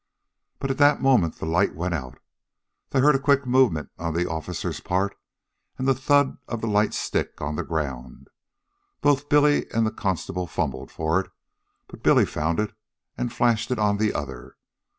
But at that moment the light went out. They heard a quick movement on the officer's part and the thud of the light stick on the ground. Both Billy and the constable fumbled for it, but Billy found it and flashed it on the other.